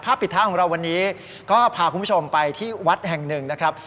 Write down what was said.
ปิดท้ายของเราวันนี้ก็พาคุณผู้ชมไปที่วัดแห่งหนึ่งนะครับ